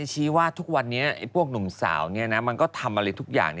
ชี้ว่าทุกวันนี้พวกหนุ่มสาวมันก็ทำอะไรทุกอย่าง